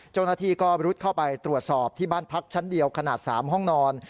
เจ้าหน้าที่ก็รุดเข้าไปตรวจสอบที่บ้านพักชั้นเดียวขนาด๓ห้องนอน